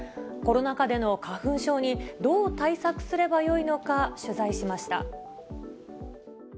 コロナ禍での花粉症に、どう対策すればよいのか、取材しました。